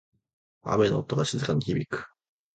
雨の音が静かに響く。